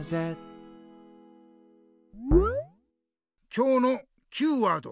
今日のＱワード